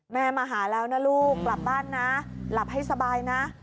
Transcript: มาหาแล้วนะลูกกลับบ้านนะหลับให้สบายนะ